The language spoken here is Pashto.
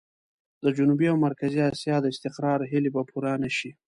د جنوبي او مرکزي اسيا د استقرار هيلې به پوره نه شي.